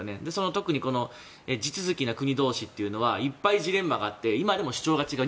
特に地続きな国同士というのはいっぱいジレンマがあって今でも主張が違う。